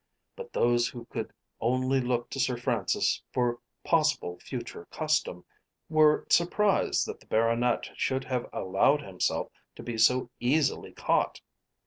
But those who could only look to Sir Francis for possible future custom were surprised that the Baronet should have allowed himself to be so easily caught.